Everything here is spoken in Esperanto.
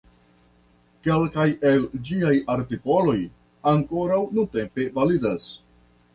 Kelkaj el ĝiaj artikoloj ankoraŭ nuntempe validas.